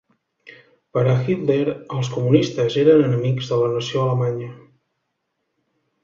Per a Hitler, els comunistes eren enemics de la nació alemanya.